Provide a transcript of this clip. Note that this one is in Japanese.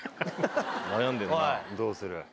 どうする？